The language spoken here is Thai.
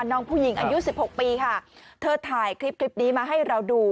น้องผู้หญิงอายุสิบหกปีค่ะเธอถ่ายคลิปนี้มาให้เราดู